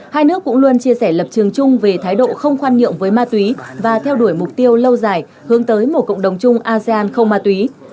hai nước cũng luôn chia sẻ lập trường chung về thái độ không khoan nhượng với ma túy và theo đuổi mục tiêu lâu dài hướng tới một cộng đồng chung asean không ma túy